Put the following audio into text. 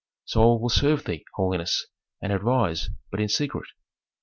So I will serve thee, holiness, and advise, but in secret."